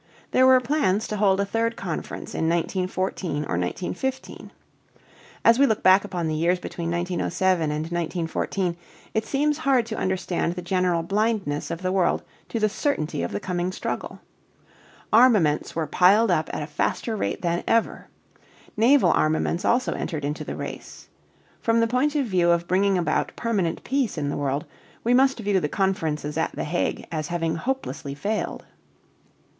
There were plans to hold a third conference in 1914 or 1915. As we look back upon the years between 1907 and 1914, it seems hard to understand the general blindness of the world to the certainty of the coming struggle. Armaments were piled up at a faster rate than ever. Naval armaments also entered into the race. From the point of view of bringing about permanent peace in the world we must view the conferences at The Hague as having hopelessly failed.